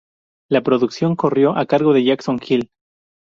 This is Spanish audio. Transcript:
La producción corrió a cargo de Jason Hill.